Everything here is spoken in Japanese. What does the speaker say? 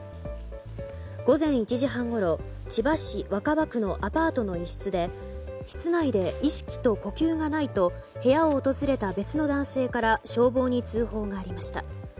午前１時半ごろ千葉市若葉区のアパートの一室で室内で意識と呼吸がないと部屋を訪れた別の男性から消防に通報がありました。